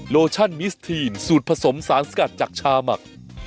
โลชั่นมิสทีนสูตรผสมสารสกัดจากชาหมัก